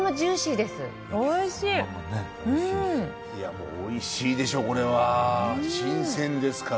もうおいしいでしょこれは。